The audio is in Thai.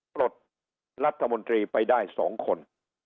ปลดรัฐมนตรีไปได้๒คน